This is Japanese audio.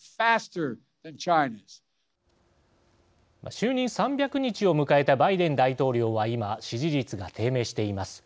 就任３００日を迎えたバイデン大統領は今支持率が低迷しています。